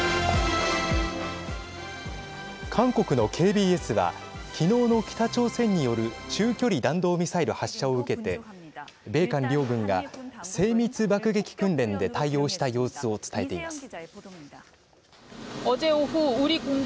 韓国のＫＢＳは昨日の北朝鮮による中距離弾道ミサイル発射を受けて米韓両軍が、精密爆撃訓練で対応した様子を伝えています。